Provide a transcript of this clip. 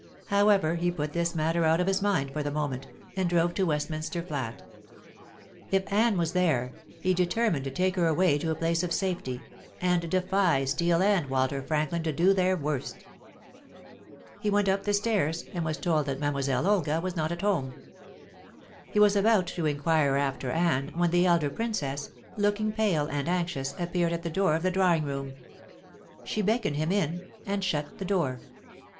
However, he put this matter out of his mind for the moment, and drove to the Westminster flat. If Anne was there, he determined to take her away to a place of safety, and defy Steel and Walter Franklin to do their worst. He went up the stairs, and was told that Mademoiselle Olga was not at home. He was about to inquire after Anne, when the elder Princess, looking pale and anxious, appeared at the door of the drawing room. She beckoned him in and shut the door.